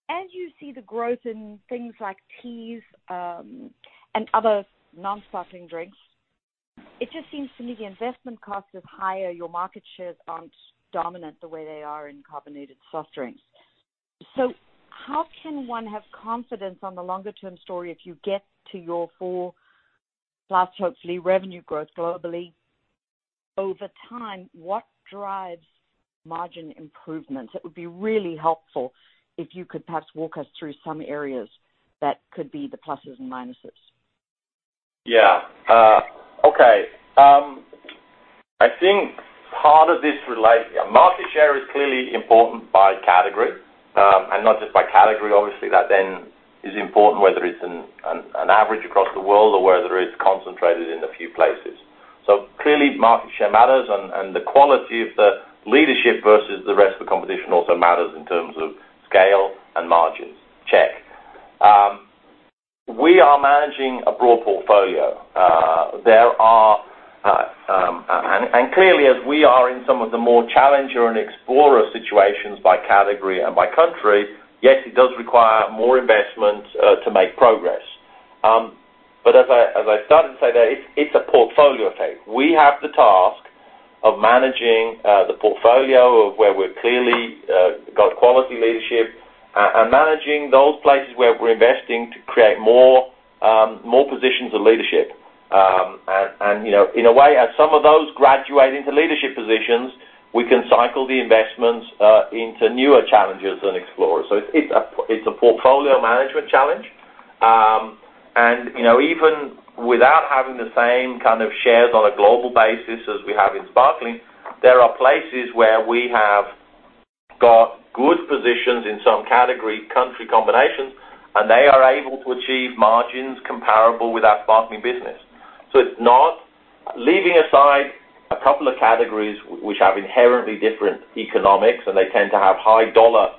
As you see the growth in things like teas, and other non-sparkling drinks, it just seems to me the investment cost is higher. Your market shares aren't dominant the way they are in carbonated soft drinks. How can one have confidence on the longer-term story if you get to your 4% plus, hopefully, revenue growth globally over time? What drives margin improvements? It would be really helpful if you could perhaps walk us through some areas that could be the pluses and minuses. Yeah. Okay. I think part of this. Market share is clearly important by category. Not just by category, obviously, that then is important, whether it's an average across the world or whether it's concentrated in a few places. Clearly, market share matters, and the quality of the leadership versus the rest of the competition also matters in terms of scale and margins. Check. We are managing a broad portfolio. Clearly, as we are in some of the more challenger and explorer situations by category and by country, yes, it does require more investment to make progress. As I started to say there, it's a portfolio effect. We have the task of managing the portfolio of where we've clearly got quality leadership and managing those places where we're investing to create more positions of leadership. In a way, as some of those graduate into leadership positions, we can cycle the investments into newer challenges and explorers. It's a portfolio management challenge. Even without having the same kind of shares on a global basis as we have in sparkling, there are places where we have got good positions in some category-country combinations, and they are able to achieve margins comparable with our sparkling business. Leaving aside a couple of categories which have inherently different economics, and they tend to have high dollar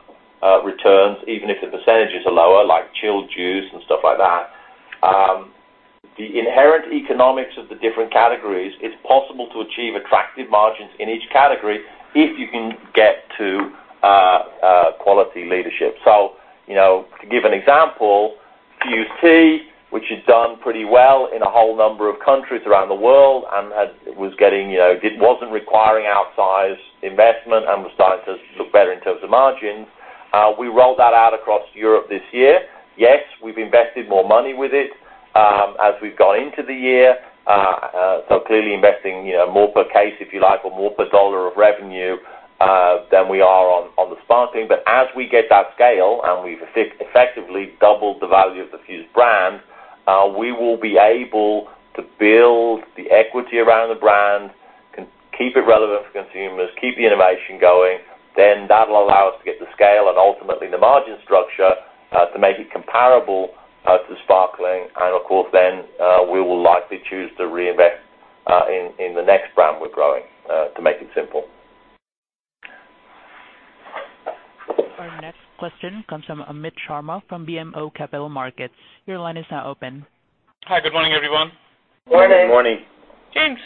returns, even if the percentages are lower, like chilled juice and stuff like that. The inherent economics of the different categories, it's possible to achieve attractive margins in each category if you can get to quality leadership. To give an example, Fuze Tea, which has done pretty well in a whole number of countries around the world and it wasn't requiring outsized investment and was starting to look better in terms of margins. We rolled that out across Europe this year. Yes, we've invested more money with it, as we've gone into the year. Clearly investing more per case, if you like, or more per dollar of revenue than we are on the sparkling. As we get that scale and we've effectively doubled the value of the Fuze brand, we will be able to build the equity around the brand, keep it relevant for consumers, keep the innovation going. That'll allow us to get the scale and ultimately the margin structure to make it comparable to sparkling. Of course, then, we will likely choose to reinvest in the next brand we're growing, to make it simple. Our next question comes from Amit Sharma from BMO Capital Markets. Your line is now open. Hi, good morning, everyone. Morning. Morning. James,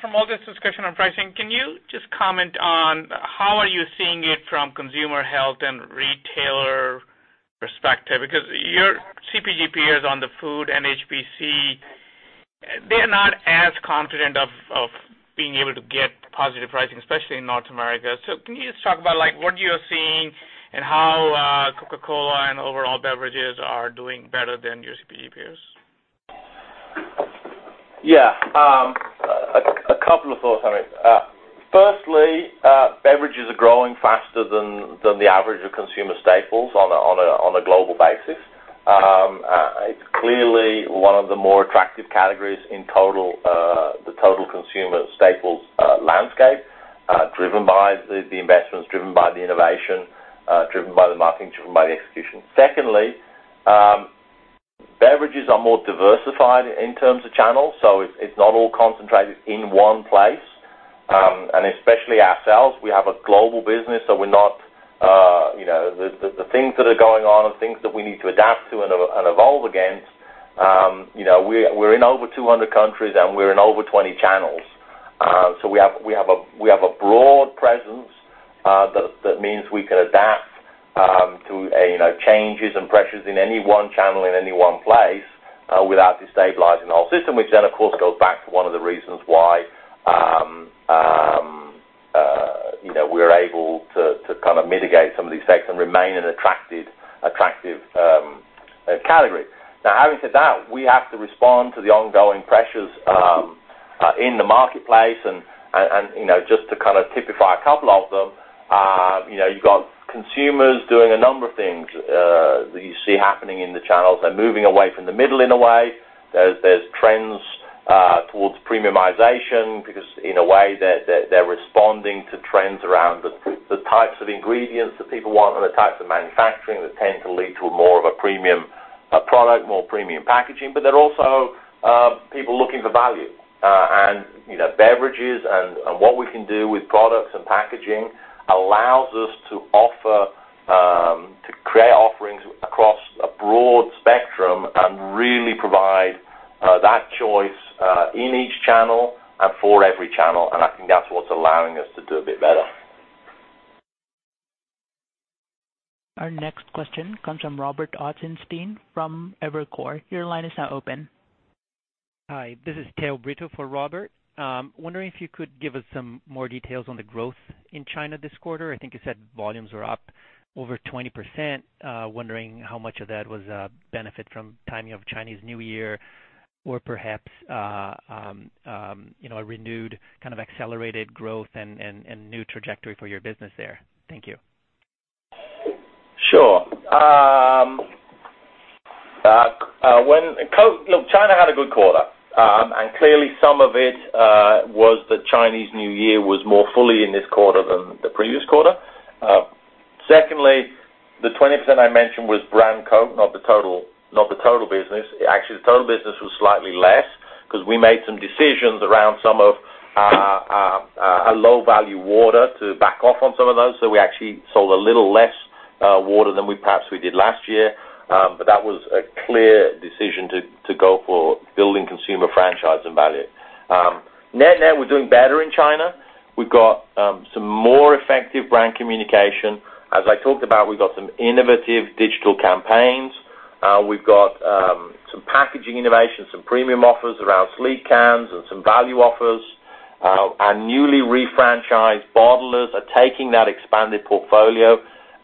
from all this discussion on pricing, can you just comment on how are you seeing it from consumer health and retailer perspective? Because your CPG peers on the food and HBC, they're not as confident of being able to get positive pricing, especially in North America. Can you just talk about what you're seeing and how Coca-Cola and overall beverages are doing better than your CPG peers? Yeah. A couple of thoughts, Amit. Firstly, beverages are growing faster than the average of consumer staples on a global basis. It's clearly one of the more attractive categories in the total consumer staples landscape, driven by the investments, driven by the innovation, driven by the marketing, driven by the execution. Secondly, beverages are more diversified in terms of channels, so it's not all concentrated in one place. Especially ourselves, we have a global business, the things that are going on are things that we need to adapt to and evolve against. We're in over 200 countries, and we're in over 20 channels. We have a broad presence that means we can adapt to changes and pressures in any one channel, in any one place without destabilizing the whole system, which then, of course, goes back to one of the reasons why we're able to kind of mitigate some of these effects and remain an attractive category. Now, having said that, we have to respond to the ongoing pressures in the marketplace and just to kind of typify a couple of them. You've got consumers doing a number of things that you see happening in the channels. They're moving away from the middle in a way. There's trends towards premiumization because in a way they're responding to trends around the types of ingredients that people want and the types of manufacturing that tend to lead to a more of a premium product, more premium packaging. They're also people looking for value. Beverages and what we can do with products and packaging allows us to create offerings across a broad spectrum and really provide that choice in each channel and for every channel. I think that's what's allowing us to do a bit better. Our next question comes from Robert Ottenstein from Evercore. Your line is now open. Hi, this is Theo Brito for Robert. Wondering if you could give us some more details on the growth in China this quarter. I think you said volumes were up over 20%. Wondering how much of that was a benefit from timing of Chinese New Year or perhaps, a renewed kind of accelerated growth and new trajectory for your business there. Thank you. Sure. China had a good quarter. Clearly some of it was the Chinese New Year was more fully in this quarter than the previous quarter. Secondly, the 20% I mentioned was brand Coke, not the total business. Actually, the total business was slightly less because we made some decisions around some of our low-value water to back off on some of those. We actually sold a little less water than perhaps we did last year. That was a clear decision to go for building consumer franchise and value. Net, we're doing better in China. We've got some more effective brand communication. As I talked about, we've got some innovative digital campaigns. We've got some packaging innovations, some premium offers around sleek cans and some value offers. Our newly refranchised bottlers are taking that expanded portfolio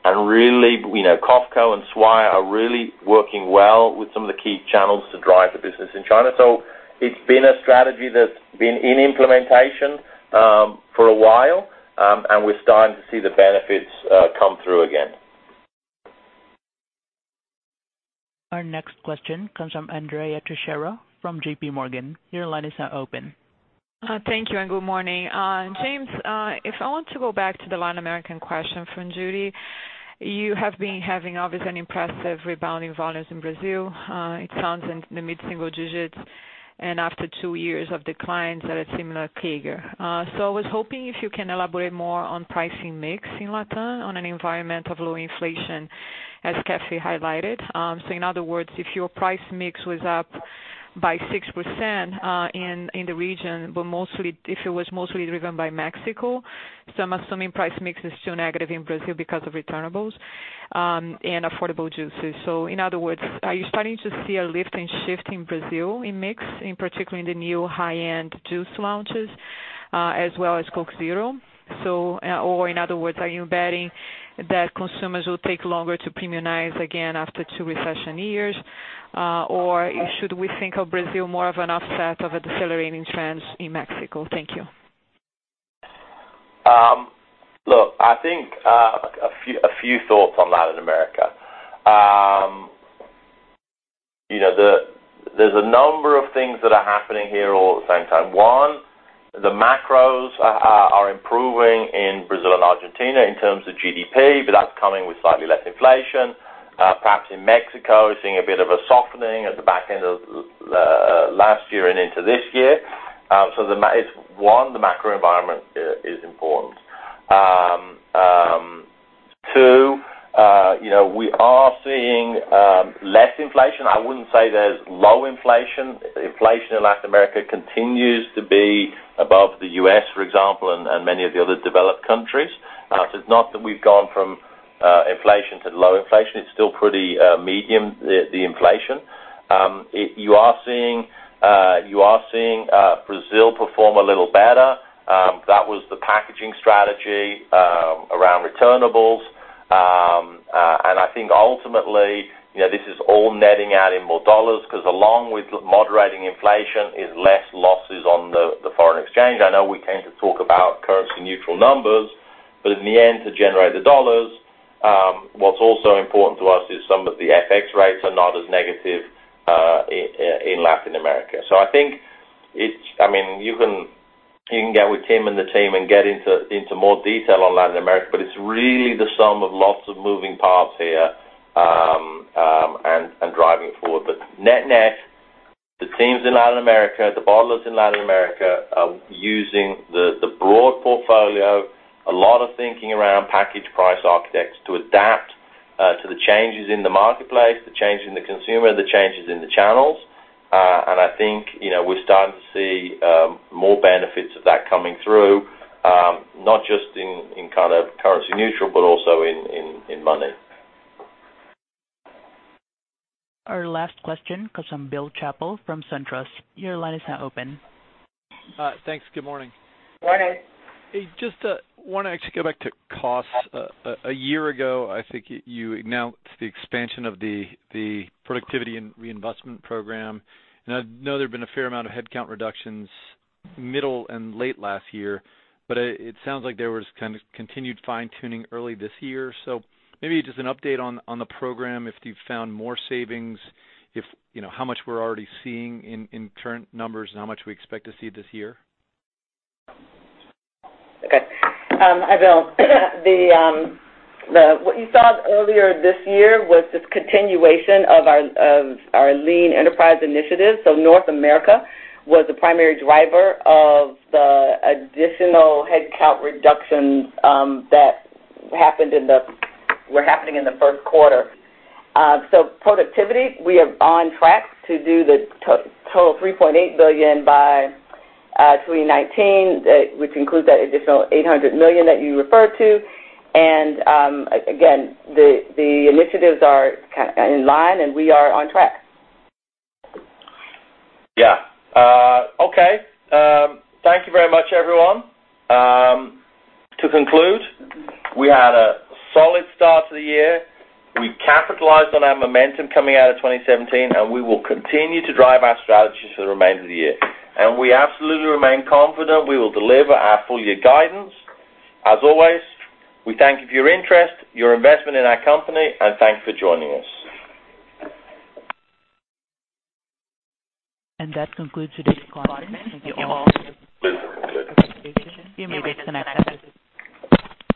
and really, COFCO and Swire are really working well with some of the key channels to drive the business in China. It's been a strategy that's been in implementation for a while. We're starting to see the benefits come through again. Our next question comes from Andrea Teixeira from JPMorgan. Your line is now open. Thank you, and good morning. James, if I want to go back to the Latin American question from Judy, you have been having obviously an impressive rebounding volumes in Brazil. It sounds in the mid-single digits and after two years of declines at a similar CAGR. I was hoping if you can elaborate more on pricing mix in Latin on an environment of low inflation as Kathy highlighted. In other words, if your price mix was up by 6% in the region, but if it was mostly driven by Mexico, I'm assuming price mix is still negative in Brazil because of returnables and affordable juices. In other words, are you starting to see a lift and shift in Brazil in mix, in particular in the new high-end juice launches, as well as Coke Zero? In other words, are you betting that consumers will take longer to premiumize again after two recession years? Should we think of Brazil more of an offset of a decelerating trends in Mexico? Thank you. Look, a few thoughts on Latin America. There's a number of things that are happening here all at the same time. One, the macros are improving in Brazil and Argentina in terms of GDP, but that's coming with slightly less inflation. Perhaps in Mexico, we're seeing a bit of a softening at the back end of last year and into this year. One, the macro environment is important. Two, we are seeing less inflation. I wouldn't say there's low inflation. Inflation in Latin America continues to be above the U.S., for example, and many of the other developed countries. It's not that we've gone from inflation to low inflation. It's still pretty medium, the inflation. You are seeing Brazil perform a little better. That was the packaging strategy around returnables. I think ultimately, this is all netting out in more dollars because along with moderating inflation is less losses on the foreign exchange. I know we tend to talk about currency neutral numbers, but in the end, to generate the dollars, what's also important to us is some of the FX rates are not as negative in Latin America. I think you can get with Tim and the team and get into more detail on Latin America, but it's really the sum of lots of moving parts here and driving forward. Net net, the teams in Latin America, the bottlers in Latin America are using the broad portfolio, a lot of thinking around package price architects to adapt to the changes in the marketplace, the change in the consumer, the changes in the channels. I think we're starting to see more benefits of that coming through, not just in currency neutral, but also in money. Our last question comes from Bill Chappell from SunTrust. Your line is now open. Thanks. Good morning. Morning. Just want to actually go back to costs. A year ago, I think you announced the expansion of the productivity and reinvestment program. I know there have been a fair amount of headcount reductions middle and late last year, but it sounds like there was kind of continued fine-tuning early this year. Maybe just an update on the program, if you've found more savings, how much we're already seeing in current numbers and how much we expect to see this year? Hi, Bill. What you saw earlier this year was this continuation of our lean enterprise initiative. North America was the primary driver of the additional headcount reductions that were happening in the first quarter. Productivity, we are on track to do the total $3.8 billion by 2019, which includes that additional $800 million that you referred to. Again, the initiatives are in line, and we are on track. Thank you very much, everyone. To conclude, we had a solid start to the year. We capitalized on our momentum coming out of 2017, and we will continue to drive our strategies for the remainder of the year. We absolutely remain confident we will deliver our full-year guidance. As always, we thank you for your interest, your investment in our company, and thank you for joining us. That concludes today's conference. Thank you all for your participation. You may disconnect at this time.